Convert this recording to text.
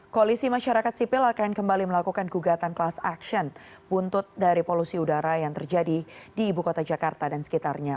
koalisi masyarakat sipil akan kembali melakukan gugatan class action buntut dari polusi udara yang terjadi di ibu kota jakarta dan sekitarnya